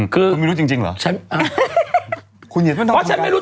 คุณไม่รู้จริงเหรอ